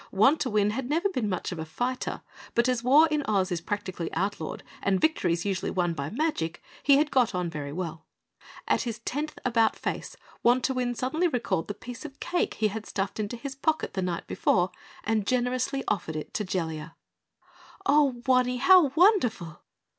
Wantowin had never been much of a fighter, but as war in Oz is practically outlawed, and victories usually won by magic, he had got on very well. At his tenth about face, Wantowin suddenly recalled the piece of cake he had stuffed into his pocket the night before, and generously offered it to Jellia. "Oh, Wanny, how wonderful!"